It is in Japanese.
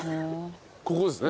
ここですね。